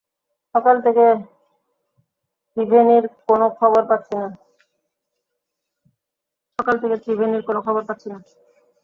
সকাল থেকে ত্রিভেনির কোনও খবর পাচ্ছি না।